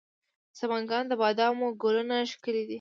د سمنګان د بادامو ګلونه ښکلي دي.